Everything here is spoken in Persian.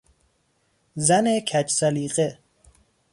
زن کج سلیقه